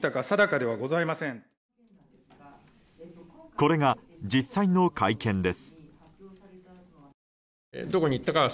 これが実際の会見です。